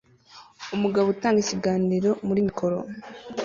Umugabo utanga ikiganiro muri mikoro